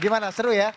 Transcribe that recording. gimana seru ya